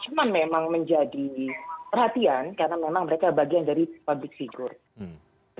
cuma memang menjadi perhatian karena memang mereka bagian dari public figure